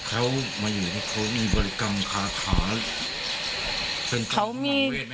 เค้ามาอยู่แล้วเค้ามีบริกรรมคาถาเป็นต้องบางเวทมั้ยครับ